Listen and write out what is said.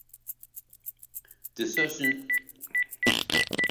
Discussions soon began of joining "The New Messenger and Advocate" with "Sunstone Magazine".